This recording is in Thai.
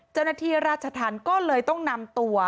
เจ้าหน้าที่ราชธรรมก็เลยต้องนำตัว